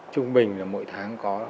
trung bình là mỗi tháng có năm đến sáu đợt